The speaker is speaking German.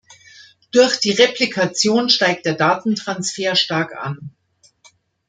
Durch die Replikation steigt der Datentransfer stark an.